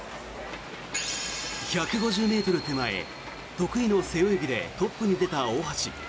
１５０ｍ手前得意の背泳ぎでトップに出た大橋。